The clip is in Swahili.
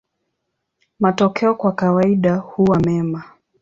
Matokeo kwa kawaida huwa mema.